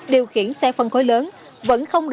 điều khiển xe phân khối lớn